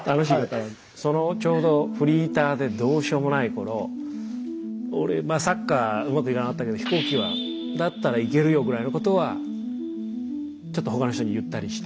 そのちょうどフリーターでどうしようもない頃俺サッカーうまくいかなかったけど飛行機だったらイケるよぐらいのことはちょっと他の人に言ったりして。